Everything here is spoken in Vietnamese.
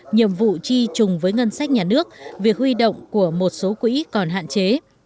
nhiệm vụ chi trùng với ngân sách nhà nước việc huy động của một số quỹ còn hạn chế